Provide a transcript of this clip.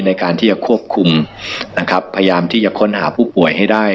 ในการที่จะควบคุมนะครับพยายามที่จะค้นหาผู้ป่วยให้ได้